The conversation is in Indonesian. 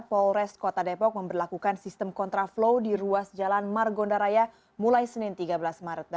polres kota depok memperlakukan sistem kontraflow di ruas jalan margonda raya mulai senin tiga belas maret